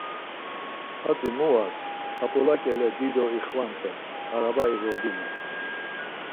Hatzi mu vas, ǩap̌ula ǩele dido ix-vanten, araba iğodinen.